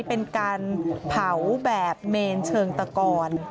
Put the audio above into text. เป็นการเผาแบบเมนเชิงตะกอน